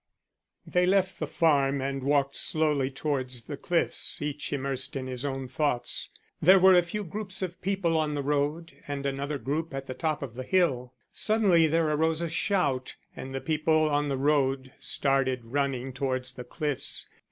They left the farm and walked slowly towards the cliffs, each immersed in his own thoughts. There were a few groups of people on the road, and another group at the top of the hill. Suddenly there arose a shout, and the people on the road started running towards the cliffs.